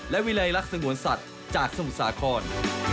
และวิลัยลักษณ์สงวนสัตว์จากสมุทรสาคร